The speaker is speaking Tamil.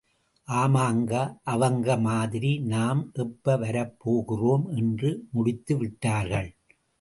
ஆமாங்க அவங்க மாதிரி நாம் எப்ப வரப்போகிறோம் என்று முடித்து விட்டார்கள்.